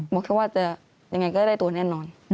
บอกแค่ว่าจะยังไงก็ได้ตัวแน่นอน